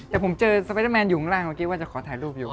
แต่ผมเจอสไปเดอร์แมนอยู่ข้างล่างเมื่อกี้ว่าจะขอถ่ายรูปอยู่